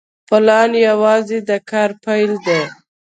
پلان یوازې د کار پیل دی.